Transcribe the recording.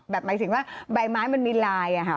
หมายถึงว่าใบไม้มันมีลายอะค่ะ